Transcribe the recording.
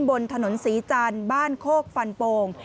บนถนนศรีจันทร์บ้านโคกฟันโป่ง